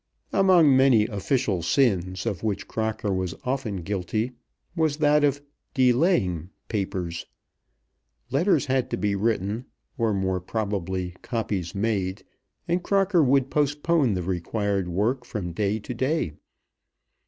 Among many official sins of which Crocker was often guilty was that of "delaying papers." Letters had to be written, or more probably copies made, and Crocker would postpone the required work from day to day.